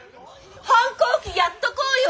反抗期やっとこうよ！